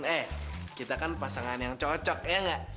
eh kita kan pasangan yang cocok ya nggak